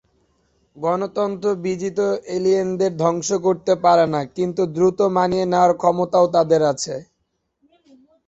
গণতন্ত্রও বিজিত এলিয়েনদের ধ্বংস করতে পারে না, কিন্তু দ্রুত মানিয়ে নেওয়ার ক্ষমতাও তাদের আছে।